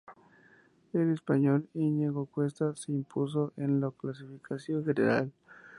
El español Íñigo Cuesta se impuso en la clasificación general.